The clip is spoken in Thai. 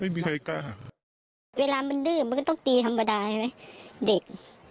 ไม่มีใครกล้าเวลามันดื้อมันก็ต้องตีธรรมดาใช่ไหมเด็ก